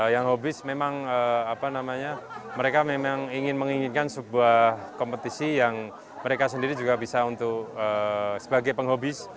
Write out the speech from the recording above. yang hobis memang apa namanya mereka memang ingin menginginkan sebuah kompetisi yang mereka sendiri juga bisa untuk sebagai penghobis